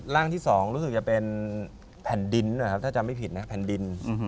ร่างที่๒รู้สึกจะเป็นแผ่นดินนะครับถ้าจำไม่ผิดนะแผ่นดิน